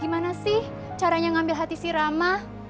gimana sih caranya ngambil hati si rama